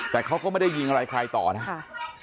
แต่เขาก็ไม่ได้ยิงอะไรใครต่อนะครับ